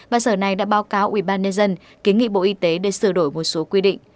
và sở này đã báo cáo ubnd